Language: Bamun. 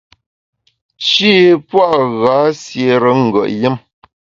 Shî pua’ gha siére ngùet yùm.